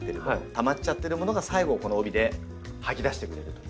たまっちゃってるものが最後この帯で吐き出してくれるという。